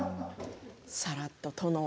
さらっと殿は。